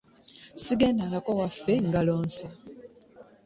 Ssigendangako waffe ngalo nsa.